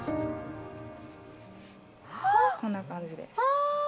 こんな感じで。